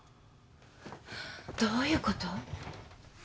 どういうこと？